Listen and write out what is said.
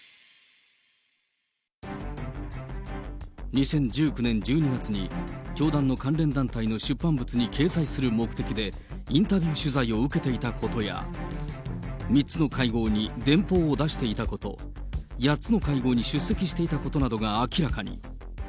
２０１９年１２月に、教団の関連団体の出版物に掲載する目的で、インタビュー取材を受けていたことや、３つの会合に電報を出していたこと、８つの会合に出席していたことなどが明らかに。